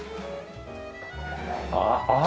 ああ。